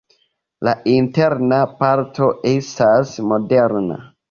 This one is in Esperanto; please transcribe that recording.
La interna parto estas moderna.